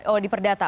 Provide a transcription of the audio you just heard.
oh di perdata